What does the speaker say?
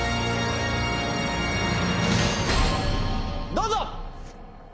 どうぞ！